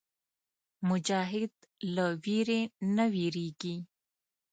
مجاهد له ویرې نه وېرېږي.